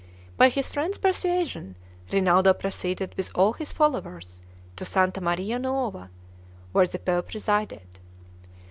By his friend's persuasion, Rinaldo proceeded with all his followers to Santa Maria Nuova, where the pope resided.